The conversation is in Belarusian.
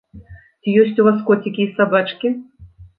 Ці ёсць у вас коцікі і сабачкі?